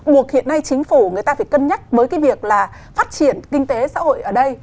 buộc hiện nay chính phủ người ta phải cân nhắc với cái việc là phát triển kinh tế xã hội ở đây